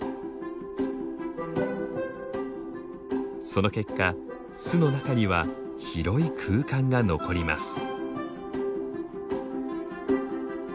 その結果巣の中には広い空間が残ります。